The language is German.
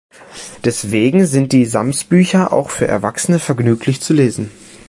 Deswegen sind die Sams-Bücher auch für Erwachsene vergnüglich zu lesen.